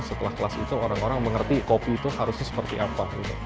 setelah kelas itu orang orang mengerti kopi itu harusnya seperti apa